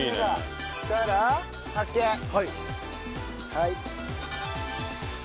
はい。